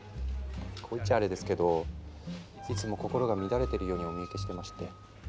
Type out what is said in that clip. こう言っちゃアレですけどいつも心が乱れているようにお見受けしてまして。